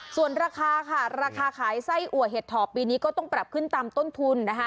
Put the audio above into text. ส่วนราคาค่ะราคาขายไส้อัวเห็ดถอบปีนี้ก็ต้องปรับขึ้นตามต้นทุนนะคะ